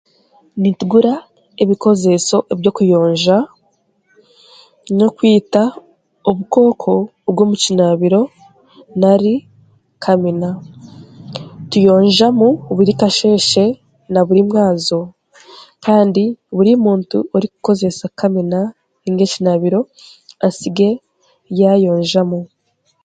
Nitugura ebikozeeso ebyokuyonja n'okwita obukooko obw'omukinaabiro nari kamina tuyonjamu buri kasheeshe na buri mwazo kandi buri muntu orikukoresa kamina nainga ekinaabiro asige yaayonjamu.